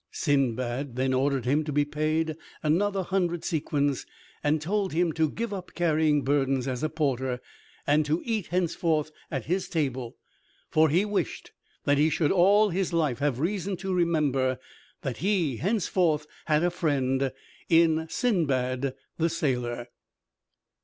Sindbad ordered him to be paid another hundred sequins, and told him to give up carrying burdens as a porter, and to eat henceforth at his table, for he wished that he should all his life have reason to remember that he henceforth had a friend in Sindbad the Sailor.